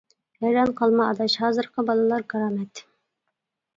-ھەيران قالما ئاداش، ھازىرقى بالىلار كارامەت.